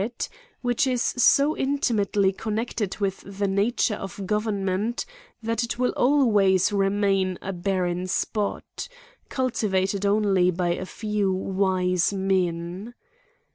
137 it, which is so intimately connected with the na ture of government, that it will always remain a barren spot, cultivated only by a few wise men.